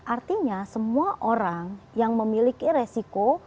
artinya semua orang yang memiliki resiko